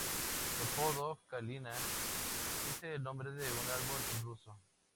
Su apodo "Kalina" es el nombre de un árbol en ruso.